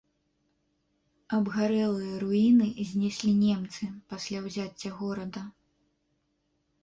Абгарэлыя руіны знеслі немцы пасля ўзяцця горада.